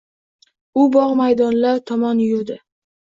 U bog‘ maydonlari tomon yurdi.